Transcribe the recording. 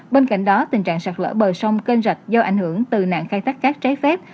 bên cạnh đó tình trạng sạt lỡ bờ sông kênh rạch do ảnh hưởng từ nạn khai thác cát trái phép